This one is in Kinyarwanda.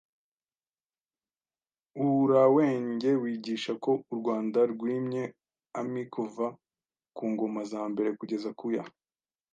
Uuurawenge wigisha ko u Rwanda rwimye ami kuva ku ngoma za mbere kugeza ku ya